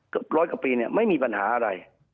ร้อยกว่าปีเนี่ยไม่มีปัญหาอะไร